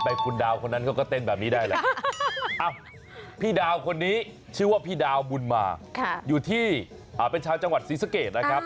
พี่ดาวคนนี้ชื่อว่าพี่ดาวบุลหมาอยู่ที่เป็นชาวจังหวัดซี่สักเกจ